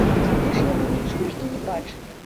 Мы ж яго не чулі і не бачылі.